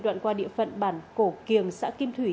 đoạn qua địa phận bản cổ kiềng xã kim thủy